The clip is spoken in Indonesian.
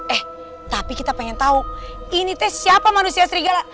eh tapi kita pengen tahu ini teh siapa manusia serigala